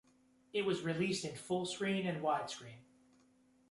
It was released in Full Screen and Widescreen.